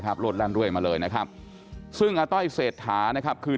รวดแล่นด้วยมาเลยนะครับซึ่งอาต้อยเศรษฐานะครับคือ